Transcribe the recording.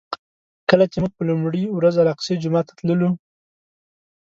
کله چې موږ په لومړي ورځ الاقصی جومات ته تللو.